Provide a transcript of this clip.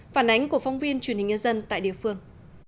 phản ánh của phóng viên truyền hình nhân dân tại địa phương